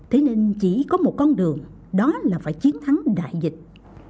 thế nên chỉ có một con đường đó là phải chiến thắng đại dịch